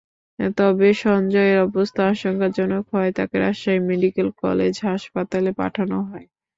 তবে সঞ্জয়ের অবস্থা আশঙ্কাজনক হওয়ায় তাঁকে রাজশাহী মেডিকেল কলেজ হাসপাতালে পাঠানো হয়।